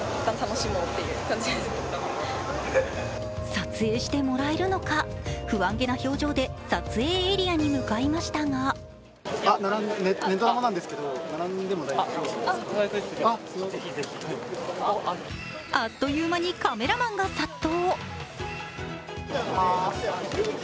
撮影してもらえるのか不安げな表情で撮影エリアに向かいましたがあっという間にカメラマンが殺到。